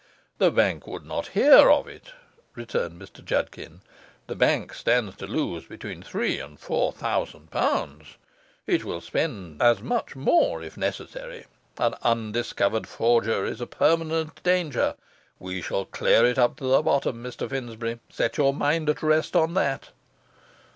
'The bank would not hear of it,' returned Mr Judkin. 'The bank stands to lose between three and four thousand pounds; it will spend as much more if necessary. An undiscovered forger is a permanent danger. We shall clear it up to the bottom, Mr Finsbury; set your mind at rest on that.